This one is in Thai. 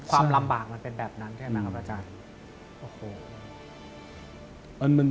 ความลำบากมันเป็นแบบนั้น